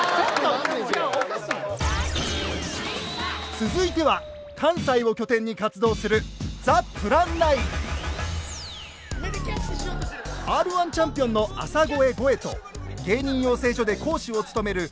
続いては関西を拠点に活動するＲ−１チャンピオンの浅越ゴエと芸人養成所で講師を務めるおい！